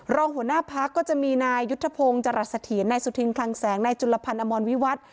รองหัวหน้าพักก็จะมีนายยุทธพงศ์จรัสเถียรนายสุธินคลังแสงนายจุลพันธ์อมรวิวัตร